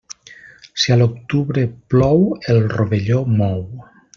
Si a l'octubre plou, el rovelló mou.